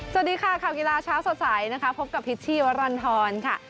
สวัสดีค่ะคาบกีฬาเช้าสว่าใสนะครับพบกับพิษชีวรรณฑรค่ะ